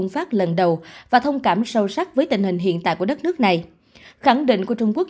phát lần đầu và thông cảm sâu sắc với tình hình hiện tại của đất nước này khẳng định của trung quốc